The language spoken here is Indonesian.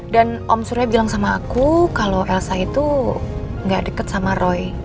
dan om surya bilang sama aku kalau elsa itu gak deket sama roy